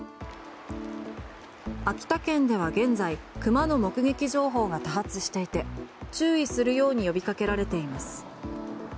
秋田県では現在熊の目撃情報が多発していて注意するように呼びかけられています。